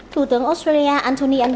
thủ tướng australia anthony antony